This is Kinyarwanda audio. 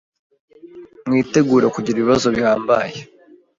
mwitegure kugira ibibazo bihambaye